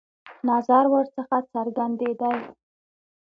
نظر ورڅخه څرګندېدی.